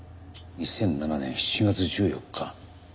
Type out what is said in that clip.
２００７年７月１４日。